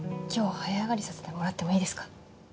今日早上がりさせてもらってもいいですか？